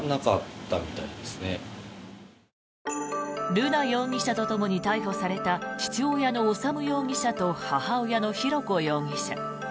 瑠奈容疑者とともに逮捕された父親の修容疑者と母親の浩子容疑者。